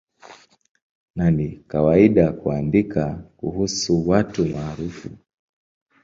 Na ni kawaida kuandika kuhusu watu maarufu.